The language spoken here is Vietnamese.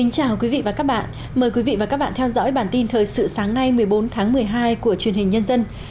chào mừng quý vị đến với bản tin thời sự sáng nay một mươi bốn tháng một mươi hai của truyền hình nhân dân